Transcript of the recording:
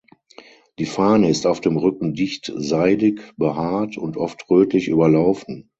Die Fahne ist auf dem Rücken dicht seidig behaart und oft rötlich überlaufen.